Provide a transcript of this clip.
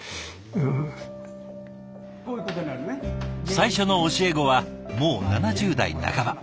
最初の教え子はもう７０代半ば。